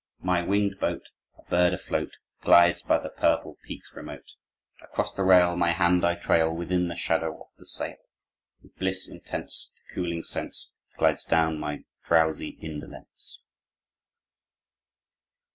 My winged boat, A bird afloat, Glides by the purple peaks remote. Across the rail My hand I trail Within the shadow of the sail. With bliss intense The cooling sense Glides down my drowsy indolence."